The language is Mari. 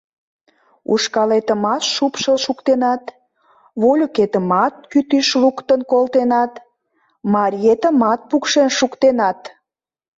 Ушкалетымат шупшыл шуктенат, вольыкетымат кӱтӱш луктын колтенат, мариетымат пукшен шуктенат.